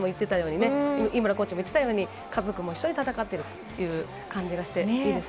先生も言っていたように家族も一緒に戦っているという感じがします。